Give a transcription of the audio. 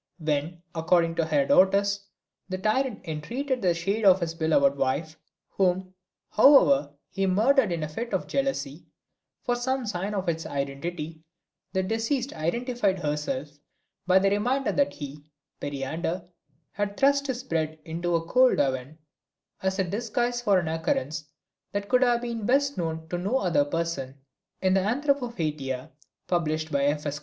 When, according to Herodotus, the tyrant entreated the shade of his beloved wife, whom, however, he had murdered in a fit of jealousy, for some sign of its identity, the deceased identified herself by the reminder that he, Periander, had thrust his bread into a cold oven, as a disguise for an occurrence that could have been known to no other person. In the Anthropophyteia published by F. S.